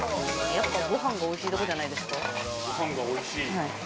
やっぱりご飯がおいしいところじゃないですか。